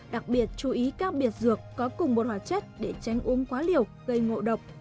đặc biệt chú ý cao biệt dược có cùng một hóa chất để tránh uống quá liều gây ngộ độc